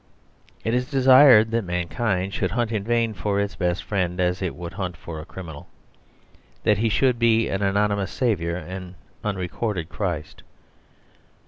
It is desired that mankind should hunt in vain for its best friend as it would hunt for a criminal; that he should be an anonymous Saviour, an unrecorded Christ.